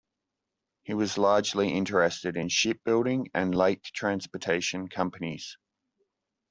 He was largely interested in shipbuilding and lake transportation companies.